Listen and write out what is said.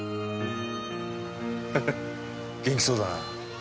元気そうだな。